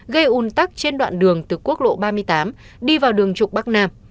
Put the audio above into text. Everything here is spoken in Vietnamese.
gây un tắc trên đoạn đường từ quốc lộ ba mươi tám đi vào đường trục bắc nam